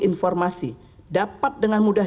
informasi dapat dengan mudah